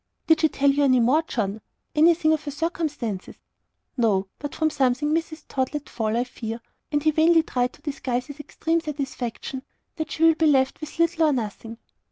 "Did she tell you any more, John? Anything of her circumstances?" "No. But from something Mrs. Tod let fall, I fear" and he vainly tried to disguise his extreme satisfaction "that she will be left with little or nothing."